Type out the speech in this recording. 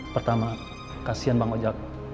pertama kasian bang ojak